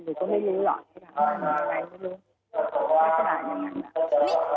หรือก็ไม่รู้หรอก